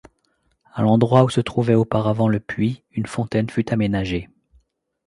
À l’endroit où se trouvait auparavant le puits, une fontaine fut aménagée.